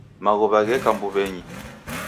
Maghuw'a gheka mbuw'enyi.